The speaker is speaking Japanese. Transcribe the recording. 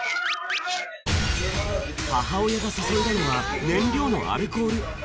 母親が注いだのは燃料のアルコール。